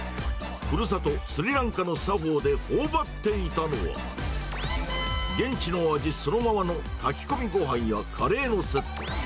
ふるさと、スリランカの作法でほおばっていたのは、現地の味そのままの、炊き込みごはんやカレーのセット。